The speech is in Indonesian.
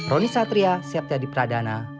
roni satria siap jadi pradana